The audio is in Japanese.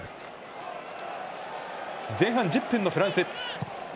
前半１０分のフランス。